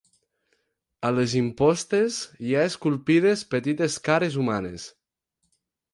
A les impostes hi ha esculpides petites cares humanes.